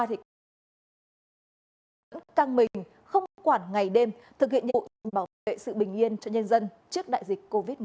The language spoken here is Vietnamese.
tổ công tác dịch căng mình không quản ngày đêm thực hiện nhiệm vụ bảo vệ sự bình yên cho nhân dân trước đại dịch covid một mươi chín